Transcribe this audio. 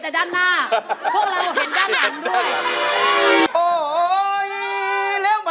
สี่เจ็ด